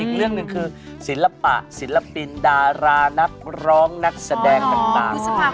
อีกเรื่องหนึ่งคือศิลปะศิลปินดารานักร้องนักแสดงต่าง